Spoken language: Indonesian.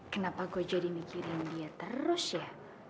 kenapa gue jadi mikirin dia terus ya